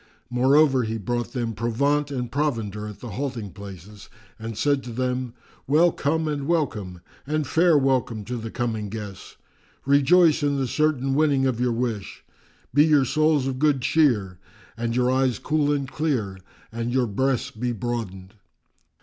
Moreover, he brought them provaunt and provender at the halting places and said to them, "Well come and welcome and fair welcome to the coming guests! Rejoice in the certain winning of your wish! Be your souls of good cheer and your eyes cool and clear and your breasts be broadened!"